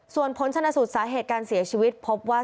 ส่วนผลชนะสูตรสาเหตุการเสียชีวิตพบว่า